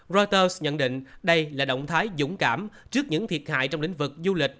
reuters nhận định đây là động thái dũng cảm trước những thiệt hại trong lĩnh vực du lịch